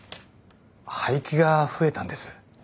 廃棄が増えたんです。